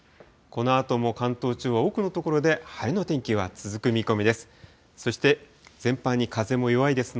このあとも関東地方、多くの所で晴れの天気は続く見込みです。